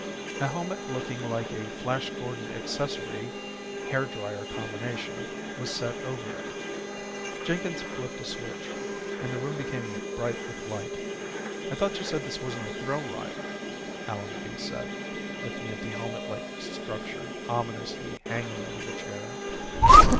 A helmet looking like a Flash Gordon accessory hair drier combination was set over it. Jenkins flipped a switch and the room became bright with light. "I thought you said this wasn't a thrill ride," Allenby said, looking at the helmetlike structure ominously hanging over the chair.